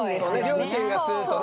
両親が吸うとね。